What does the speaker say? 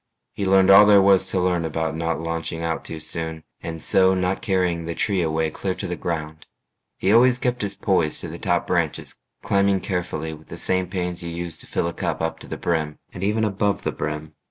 He learned all there was To learn about not launching out too soon And so not carrying the tree away Clear to the ground. He always kept his poise To the top branches, climbing carefully With the same pains you use to fill a cup Up to the brim, and even above the brim.